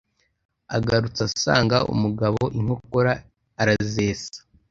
Agarutse asanga umugabo inkokora arazesa